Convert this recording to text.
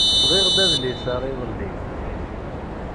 Sɣiɣ-d adlis-a iḍelli.